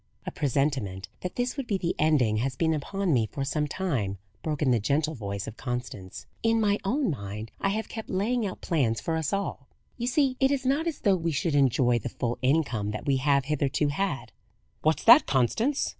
"A presentiment that this would be the ending has been upon me for some time," broke in the gentle voice of Constance. "In my own mind I have kept laying out plans for us all. You see, it is not as though we should enjoy the full income that we have hitherto had." "What's that, Constance?"